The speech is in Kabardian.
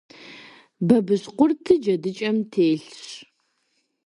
Бабыщкъуртыр джэдыкӏэм телъщ.